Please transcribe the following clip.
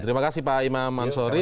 terima kasih pak imam ansori